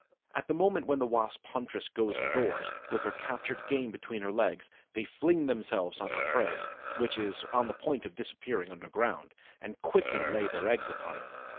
At the moment when the Wasp huntress goes indoors, with her captured game between her legs, they fling themselves on her prey, which is on the point of disappearing underground, and quickly lay their eggs upon it.